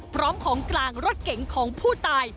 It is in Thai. พร้อมของกลางรถเก๋งของผู้ตาย